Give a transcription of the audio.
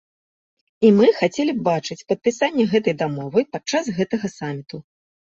І мы хацелі б бачыць падпісанне гэтай дамовы падчас гэтага саміту.